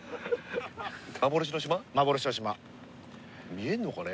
見えるのかね？